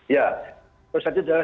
ya prostat itu adalah